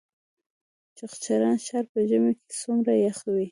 چغچران ښار په ژمي کې څومره یخ وي؟